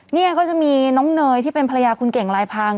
เนี่ยก็จะมีน้องเนยที่เป็นภรรยาคุณเก่งลายพัง